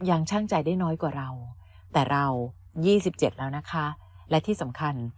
ยังช่างใจได้น้อยกว่าเราแต่เรา๒๗แล้วนะคะและที่สำคัญ